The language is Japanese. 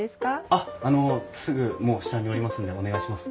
あっあのすぐもう下におりますんでお願いします。